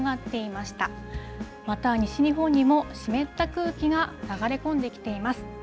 また西日本にも湿った空気が流れ込んできています。